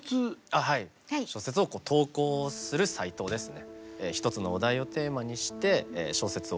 はい小説を投稿するサイトですね。